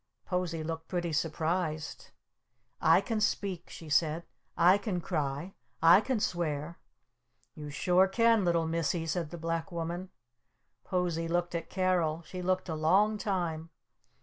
Posie looked pretty surprised. "I can speak!" she said. "I can cry! I can swear!" "You sure can, Little Missy!" said the Black Woman. Posie looked at Carol. She looked a long time.